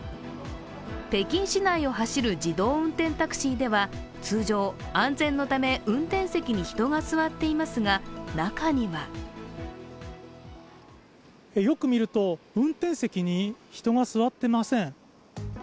北京市内を走る自動運転タクシーでは通常、安全のため、運転席に人が座っていますが、中にはよく見ると、運転席に人が座ってません。